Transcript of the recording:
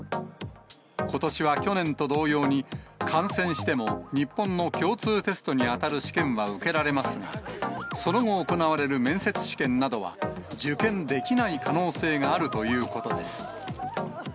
ことしは去年と同様に、感染しても日本の共通テストに当たる試験は受けられますが、その後、行われる面接試験などは受験できない可能性があるということです。